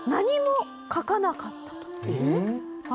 えっ？